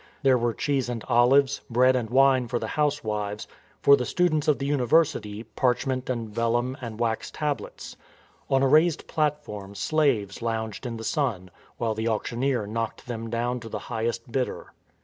There were cheese and oHves, bread and wine for the housewives; for the students of the University, parchment and vellum and wax tablets. On a raised platform slaves lounged in the sun while the auctioneer knocked them down to the highest bidder.